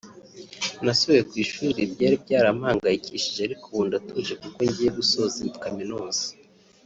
nasubiye ku ishuri byari byarampangayikishije ariko ubu ndatuje kuko ngiye gusoza kaminuza